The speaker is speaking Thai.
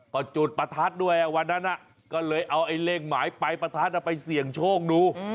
ประจุดประทัศน์ด้วยวันนั้นนะเลยเอาเร่งหมายประจุดประทัศน์ไปเสี่ยงโชคดู